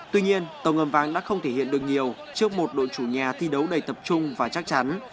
tuy nhiên tàu ngầm vàng đã không thể hiện được nhiều trước một đội chủ nhà thi đấu đầy tập trung và chắc chắn